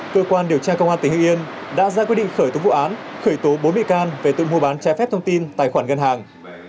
cơ quan điều tra công an tỉnh hưng yên đã ra quyết định khởi tố vụ án khởi tố bốn bị can về tội mua bán trái phép thông tin tài khoản ngân hàng